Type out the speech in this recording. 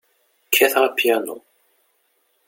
Kkateɣ apyanu.